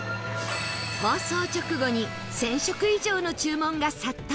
放送直後に１０００食以上の注文が殺到！